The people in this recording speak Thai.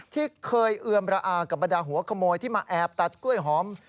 ที่เคยเอือมระอากับบรรดาหัวขโมยที่มาแอบตัดกล้วยหอม